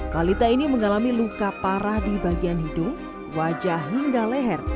balita ini mengalami luka parah di bagian hidung wajah hingga leher